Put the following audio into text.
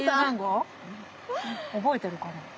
覚えてるかな。